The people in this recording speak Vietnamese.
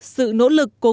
sự nỗ lực của quốc gia